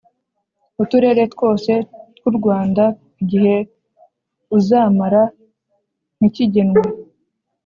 Uturere twose tw u Rwanda Igihe uzamara ntikigenwe